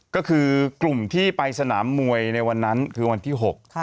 ก็คือกลุ่มที่ไปสนามมวยในวันนั้นคือวันที่๖